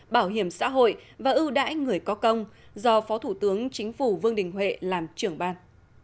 bảo hiểm xã hội và ưu đãi người có công do phó thủ tướng chính phủ vương đình huệ làm trưởng ban